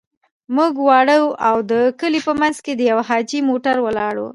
موږ واړه وو، د کلي په منځ کې د يوه حاجي موټر ولاړ و.